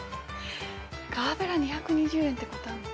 ガーベラ２２０円ってことあんのかな？